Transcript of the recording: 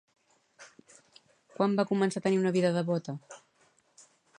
Quan va començar a tenir una vida devota?